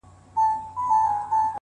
صبر د بریا کلید دی؛